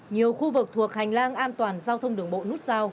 nhiều khu vực thuộc hành lang an toàn giao thông đường bộ nút giao